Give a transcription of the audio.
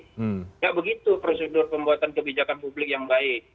tidak begitu prosedur pembuatan kebijakan publik yang baik